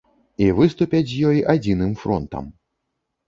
І выступяць з ёй адзіным фронтам.